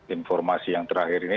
informasi yang terakhir ini